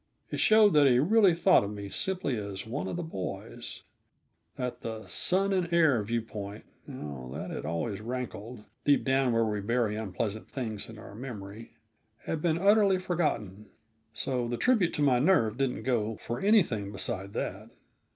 It showed that he really thought of me simply as one of the boys; that the "son and heir" view point oh, that had always rankled, deep down where we bury unpleasant things in our memory had been utterly forgotten. So the tribute to my nerve didn't go for anything beside that.